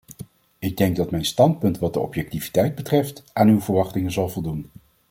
Ik denk dat mijn standpunt wat de objectiviteit betreft, aan uw verwachtingen zal voldoen.